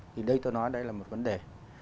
thì đây tôi nói đây là một vấn đề